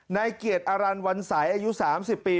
ในเกียรติอรรันดิ์วันสายอายุ๓๐ปี